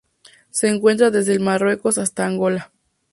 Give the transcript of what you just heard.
Se encuentra desde el Marruecos hasta Angola.